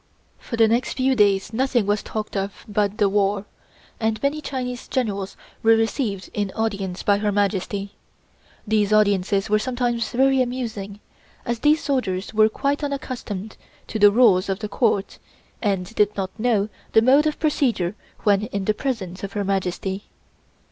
For the next few days nothing was talked of but the war, and many Chinese generals were received in audience by Her Majesty. These audiences were sometimes very amusing, as these soldiers were quite unaccustomed to the rules of the Court and did not know the mode of procedure when in the presence of Her Majesty.